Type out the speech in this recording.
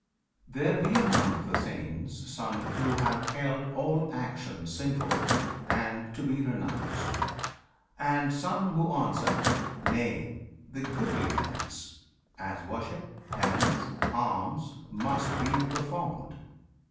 There be among the saints some who have held All action sinful, and to be renounced; And some who answer, "Nay! the goodly acts As worship, penance, alms must be performed!"